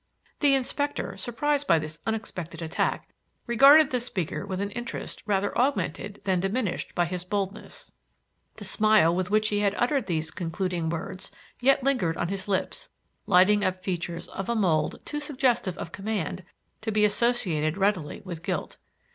The Inspector, surprised by this unexpected attack, regarded the speaker with an interest rather augmented than diminished by his boldness. The smile with which he had uttered these concluding words yet lingered on his lips, lighting up features of a mould too suggestive of command to be associated readily with guilt.